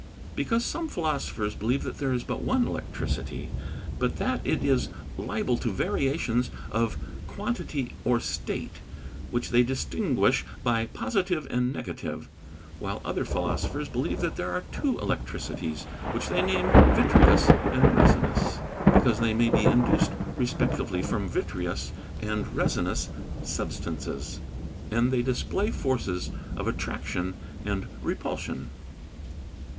_ Because some philosophers believe that there is but one electricity, but that it is liable to variations of quantity or state, which they distinguish by positive and negative; while other philosophers believe that there are two electricities, which they name vitreous and resinous, because they may be induced respectively from vitreous and resinous substances, and they display forces of attraction and repulsion.